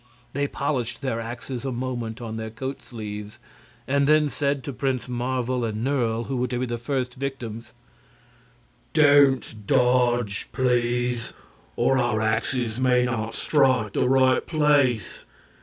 They polished their axes a moment on their coat sleeves, and then said to Prince Marvel and Nerle, who were to be the first victims: "Don't dodge, please, or our axes may not strike the right place.